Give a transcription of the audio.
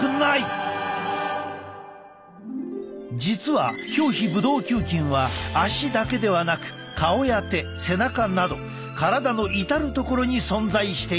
実は表皮ブドウ球菌は足だけではなく顔や手背中など体のいたる所に存在している。